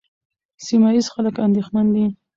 سیمه ییز خلک اندېښمن دي.